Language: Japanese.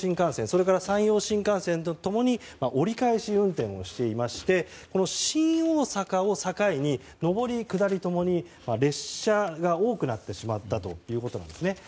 それから山陽新幹線と共に折り返し運転をしていまして新大阪を境に上り下り共に列車が多くなってしまったんです。